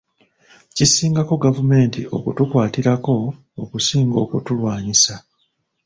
Kisingako gavumenti okutukwatirako okusinga okutulwanyisa.